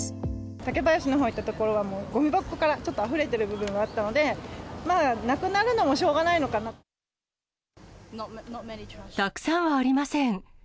竹林のほう行った所は、もうごみ箱から、ちょっとあふれてる部分があったので、まあ、たくさんはありません。